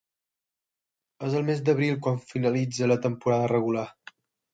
És el mes d'abril quan finalitza la temporada regular.